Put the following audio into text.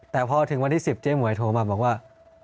แต่พอถึงวันที่๑๐เจ๊หมวยโทรมาบอกว่า